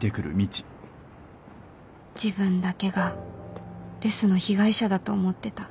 自分だけがレスの被害者だと思ってた